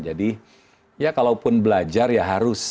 jadi ya kalaupun belajar ya harus